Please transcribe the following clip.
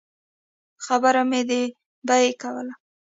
خبره مې د بیې کوله.